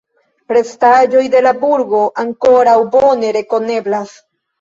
Restaĵoj de la burgo ankoraŭ bone rekoneblas.